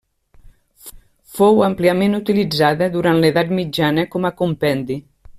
Fou àmpliament utilitzada durant l'edat mitjana com a compendi.